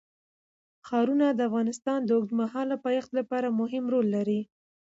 ښارونه د افغانستان د اوږدمهاله پایښت لپاره مهم رول لري.